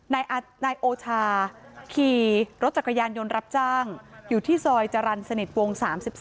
นายโอชาขี่รถจักรยานยนต์รับจ้างอยู่ที่ซอยจรรย์สนิทวง๓๒